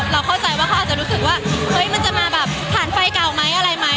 เข้าใจว่าเขาอาจจะรู้สึกว่าเฮ้ยมันจะมาแบบผ่านไฟเก่าไหมอะไรไหม